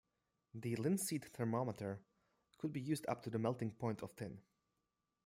The linseed thermometer could be used up to the melting point of tin.